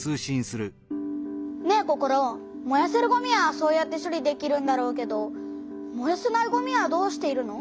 ねえココロ。もやせるごみはそうやって処理できるんだろうけどもやせないごみはどうしているの？